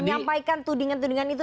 menyampaikan tudingan tudingan itu